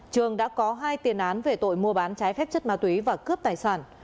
trường đã có hai tiền án về tội mua bán trái phép chất ma túy và cướp tài sản